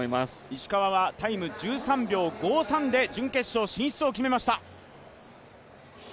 石川は１３秒５３で準決勝進出を決めました。